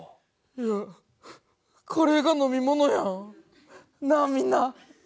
いやカレーが飲み物やんなあみんな。